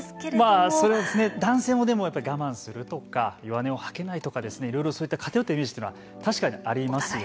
それは男性もでも我慢するとか弱音を吐けないとかいろいろそういった偏ったイメージというのは確かにありますよね。